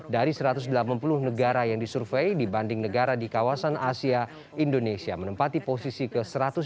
dari satu ratus delapan puluh negara yang disurvey dibanding negara di kawasan asia indonesia menempati posisi ke satu ratus tujuh puluh